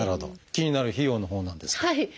気になる費用のほうなんですが。